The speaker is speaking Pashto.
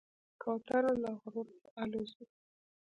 کوتره له غرونو الوزي.